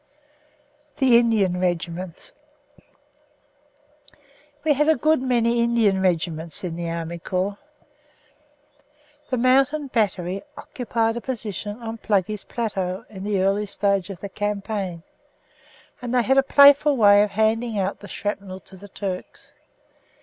THE INDIAN REGIMENTS We had a good many Indian regiments in the Army Corps. The mountain battery occupied a position on "Pluggey's Plateau" in the early stage of the campaign, and they had a playful way of handing out the shrapnel to the Turks.